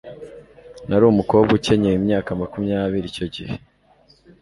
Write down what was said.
Nari umukobwa ukenyeye imyaka makumyabiri icyo gihe